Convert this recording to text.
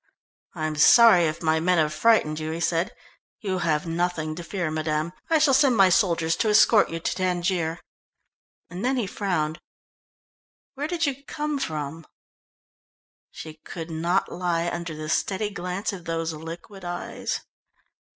"I am sorry if my men have frightened you," he said. "You have nothing to fear, madame. I will send my soldiers to escort you to Tangier." And then he frowned. "Where did you come from?" She could not lie under the steady glance of those liquid eyes.